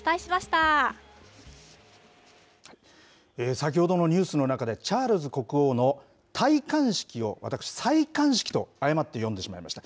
先ほどのニュースの中で、チャールズ国王の戴冠式を私、さいかんしきと誤って読んでしまいました。